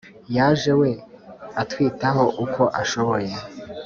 yaje we atwitaho uko ashoboye